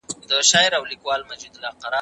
بهرنی سياست تل بريالی نه وي.